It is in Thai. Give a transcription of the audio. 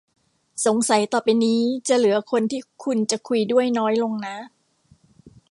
สงสัยต่อไปนี้ จะเหลือคนที่คุณจะคุยด้วยน้อยลงนะ